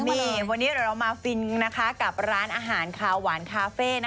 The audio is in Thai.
นี่วันนี้เดี๋ยวเรามาฟินนะคะกับร้านอาหารคาวหวานคาเฟ่